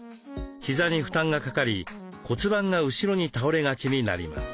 膝に負担がかかり骨盤が後ろに倒れがちになります。